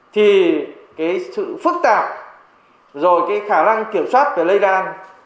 thì cái sự phức tạp rồi cái khả năng kiểm soát về lây lan